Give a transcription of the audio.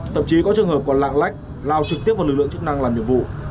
thậm chí có trường hợp còn lạng lách lao trực tiếp vào lực lượng chức năng làm nhiệm vụ